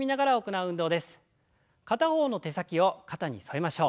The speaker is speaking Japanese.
片方の手先を肩に添えましょう。